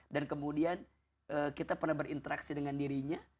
dan kemudian kita pernah berinteraksi dengan dirinya